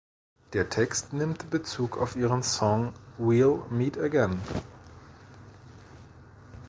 Der Text nimmt Bezug auf ihren Song "We’ll Meet Again".